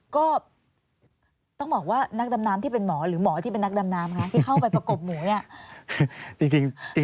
ก็ต้องบอกว่านักดำน้ำที่เป็นหมอหรือหมอที่เป็นนักดำน้ำคะที่เข้าไปประกบหมูเนี่ย